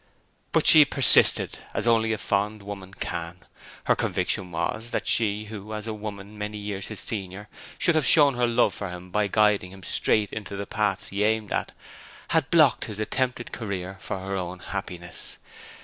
But she persisted as only a fond woman can. Her conviction was that she who, as a woman many years his senior, should have shown her love for him by guiding him straight into the paths he aimed at, had blocked his attempted career for her own happiness.